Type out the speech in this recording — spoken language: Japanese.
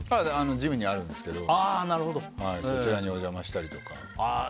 ジムにあるんですけどそちらにお邪魔したりとか。